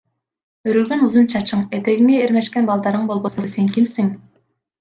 Өрүлгөн узун чачың, этегиңе эрмешкен балдарың болбосо сен кимсиң?